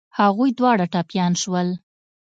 هغوی دواړه ټپيان شول.